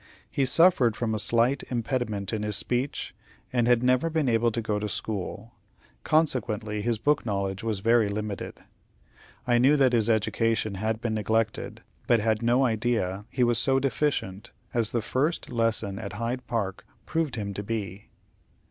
He suffered from a slight impediment in his speech, and had never been made to go to school; consequently his book knowledge was very limited. I knew that his education had been neglected, but had no idea he was so deficient as the first lesson at Hyde Park proved him to be.